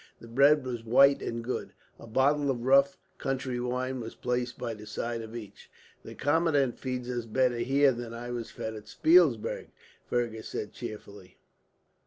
The bread was white and good. A bottle of rough country wine was placed by the side of each. "The commandant feeds us better here than I was fed at Spielberg," Fergus said cheerfully.